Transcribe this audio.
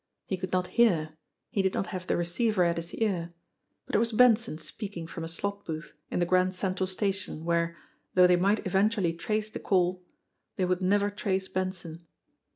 He could not hear, he did not have the receiver at his ear, but it was Benson speaking from a slot booth in the Grand Central station where, though they might eventually trace the call, they would never trace Benson.